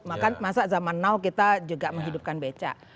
maka masa zaman now kita juga menghidupkan beca